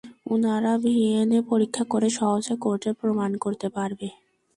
উনারা ডিএনএ পরীক্ষা করে সহজে কোর্টে প্রমান করতে পারবে।